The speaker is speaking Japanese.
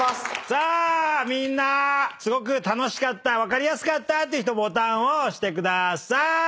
さあみんなすごく楽しかった分かりやすかったっていう人ボタンを押してくださーい。